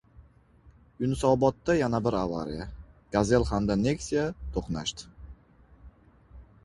Yunusobodda yana bir avariya: "Gazel" hamda "Neksiya" to‘qnashdi